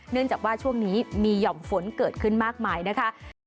เนื่องจากว่าช่วงนี้มีหย่อมฝนเกิดขึ้นมากมายนะคะ